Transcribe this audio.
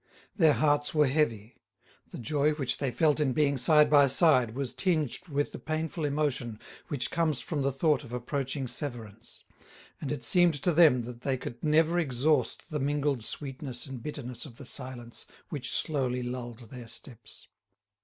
Their hearts were heavy; the joy which they felt in being side by side was tinged with the painful emotion which comes from the thought of approaching severance, and it seemed to them that they could never exhaust the mingled sweetness and bitterness of the silence which slowly lulled their steps.